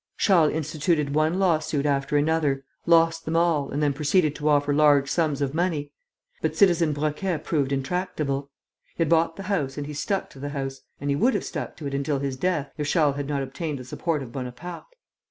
Charles instituted one law suit after another, lost them all and then proceeded to offer large sums of money. But Citizen Broquet proved intractable. He had bought the house and he stuck to the house; and he would have stuck to it until his death, if Charles had not obtained the support of Bonaparte.